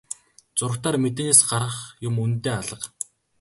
Зурагтаар мэдээнээс харах юм үнэндээ алга.